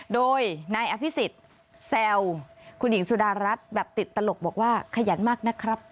โดยนายอภิษฎแซวคุณหญิงสุดารัฐแบบติดตลกบอกว่าขยันมากนะครับ